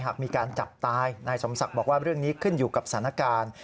หากมีการจับตายนายสมศักดิ์บอกว่าเรื่องนี้ขึ้นอยู่กับสถานการณ์